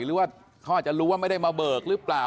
หรือว่าเขาอาจจะรู้ว่าไม่ได้มาเบิกหรือเปล่า